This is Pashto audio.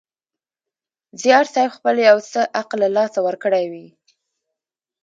زیارصېب خپل یو څه عقل له لاسه ورکړی وي.